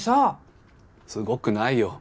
すごくないよ。